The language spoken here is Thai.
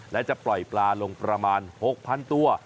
และจะปล่อยปลาลงประมาณ๖๐๐๐ตัว